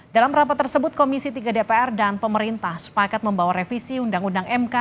dalam rapat tersebut komisi tiga dpr dan pemerintah sepakat membawa revisi undang undang mk